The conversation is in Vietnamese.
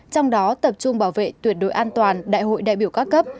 trong đó tập trung bảo vệ tuyệt đối an toàn đại hội đại biểu các cấp